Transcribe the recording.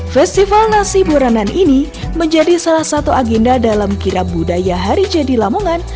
festival nasi buranan ini menjadi salah satu agenda dalam kira budaya hari jadi lamongan